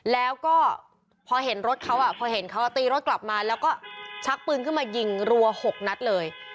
แล้วก็พอเห็นเขาตีรถกลับมาแล้วก็ชักปืนเค้ามายิงรัว๖นัฏเลย